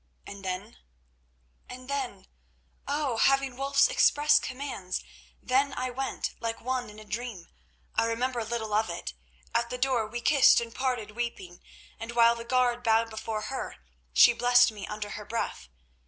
"And then?" "And then—oh! having Wulf's express commands, then I went, like one in a dream. I remember little of it. At the door we kissed and parted weeping, and while the guard bowed before her, she blessed me beneath her breath.